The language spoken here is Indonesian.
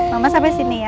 mama sampai sini ya